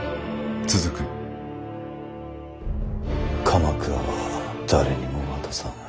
鎌倉は誰にも渡さん。